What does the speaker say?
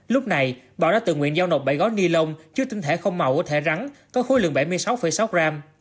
lúc này bảo đã tự nguyện giao nộp bảy gói ni lông chứa tinh thể không màu của thể rắn có khối lượng bảy mươi sáu sáu gram